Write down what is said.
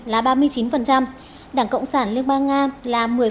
tỷ lệ ủng hộ dành cho đảng đảng cộng sản liên bang nga bốn mươi tám triệu đồng